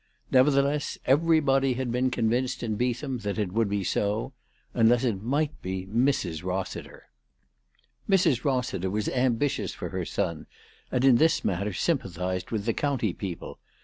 Nevertheless everybody had been convinced in Beetham that it would be so, unless it might be Mrs. Eossiter. Mrs. Eossiter was ambitious for her son, and in this matter sympathised with the county people.